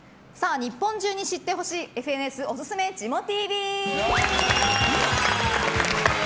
日本中に知ってほしいＦＮＳおすすめジモＴＶ。